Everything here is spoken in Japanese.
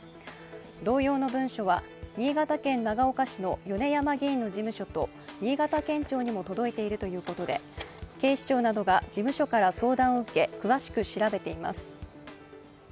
同様の文書は新潟県長岡市の米山議員の事務所と新潟県庁にも届いているということで、警視庁などが事務所から相談を受け、詳しく調べています。